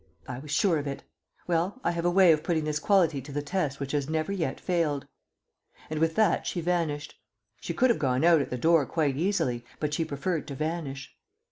"I was sure of it. Well, I have a way of putting this quality to the test which has never yet failed." And with that she vanished. She could have gone out at the door quite easily, but she preferred to vanish.